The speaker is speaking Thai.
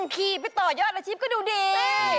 ขี่ไปต่อยอดอาชีพก็ดูดี